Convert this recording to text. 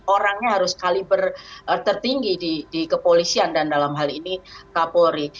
orangnya harus kaliber tertinggi di kepolisian dan dalam hal ini kapolri